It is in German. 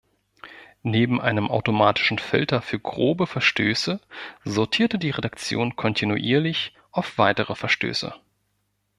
Neben einem automatischen Filter für grobe Verstöße sortierte die Redaktion kontinuierlich auf weitere Verstöße.